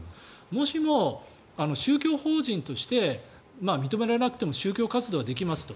もしも、宗教法人として認められなくても宗教活動はできますと。